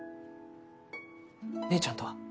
姉ちゃんとは？